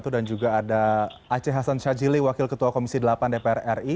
dan juga ada aceh hasan syajili wakil ketua komisi delapan dpr ri